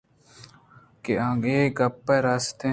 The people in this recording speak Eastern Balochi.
کہ اے گپّ راستے